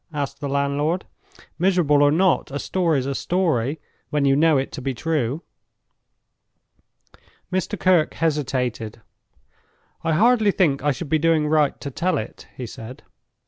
asked the landlord. "Miserable or not, a story's a story, when you know it to be true." Mr. Kirke hesitated. "I hardly think I should be doing right to tell it," he said.